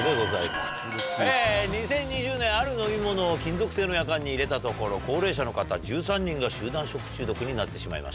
２０２０年ある飲み物を金属製のヤカンに入れたところ高齢者の方１３人が集団食中毒になってしまいました。